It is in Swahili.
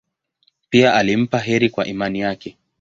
Pia alimpa heri kwa imani yake.